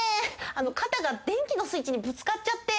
あの肩が電気のスイッチにぶつかっちゃって。